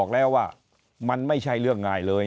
แล้วว่ามันไม่ใช่เรื่องง่ายเลย